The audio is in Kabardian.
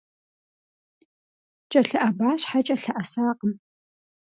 КӀэлъыӀэба щхьэкӀэ лъэӀэсакъым.